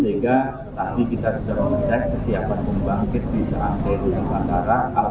sehingga tadi kita sudah meminta kesiapan pembangkit di saat terduduk antara alhamdulillah